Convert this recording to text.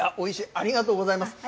ありがとうございます。